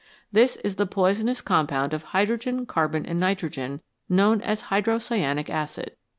This is the poisonous compound of hydrogen, carbon, and nitrogen known as hydrocyanic acid.